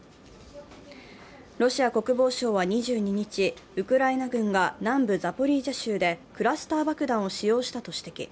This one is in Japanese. ロシア国防省は２２日、ウクライナ軍が南部ザポリージャ州でクラスター爆弾を使用したと指摘。